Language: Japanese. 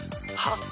はっ？